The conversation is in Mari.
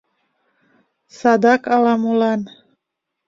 Садак ала-молан